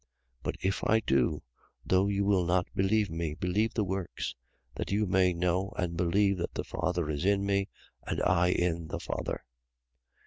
10:38. But if I do, though you will not believe me, believe the works: that you may know and believe that the Father is in me and I in the Father.